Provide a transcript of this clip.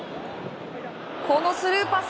このスルーパス。